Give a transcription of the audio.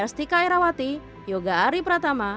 r stika airawati yoga ari pratama